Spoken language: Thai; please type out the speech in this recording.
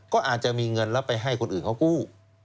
ก็อาจจะมีเงินแล้วไปให้คนอื่นเขากู้